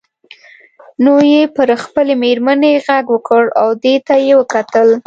نو یې پر خپلې میرمنې غږ وکړ او دې ته یې وکتل.